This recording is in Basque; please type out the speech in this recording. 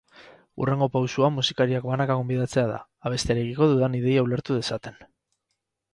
Hurrengo pausua musikariak banaka gonbidatzea da, abestiarekiko dudan ideia ulertu dezaten.